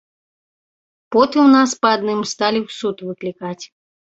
Потым нас па адным сталі ў суд выклікаць.